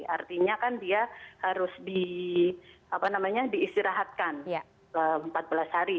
artinya kan dia harus diistirahatkan empat belas hari